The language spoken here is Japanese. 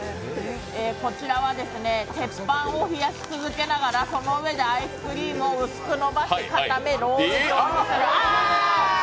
こちらは鉄板を冷やし続けながらその上でアイスクリームを薄くのばして、固めロール状にする。